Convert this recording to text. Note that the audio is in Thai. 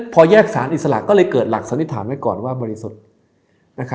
พอแยกสารอิสระก็เลยเกิดหลักสันนิษฐานไว้ก่อนว่าบริสุทธิ์